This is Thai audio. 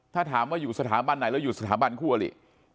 ถ้าถามว่าอยู่สถาบันไหนแล้วอยู่สถาบันคู่อลิ